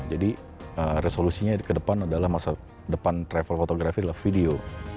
jadi resolusinya ke depan adalah masa depan travel photography adalah video